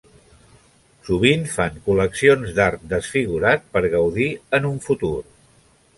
Sovint fan col·leccions d'art desfigurat per gaudir en un futur.